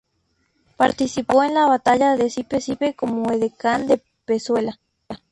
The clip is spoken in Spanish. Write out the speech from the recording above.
Participó en la Batalla de Sipe Sipe como edecán de Pezuela.